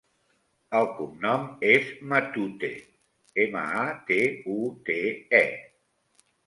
El cognom és Matute: ema, a, te, u, te, e.